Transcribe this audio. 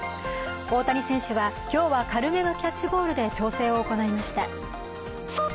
大谷選手は今日は軽めのキャッチボールで調整を行いました。